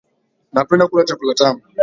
Napenda kula chakula tamu